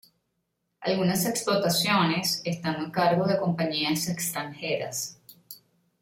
Algunas explotaciones están a cargo de compañías extranjeras.